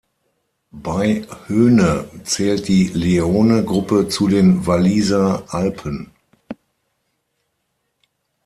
Bei Höhne zählt die Leone-Gruppe zu den Walliser Alpen.